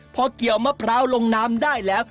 พอเกี่ยวมะพร้าวลงน้ำได้แล้ว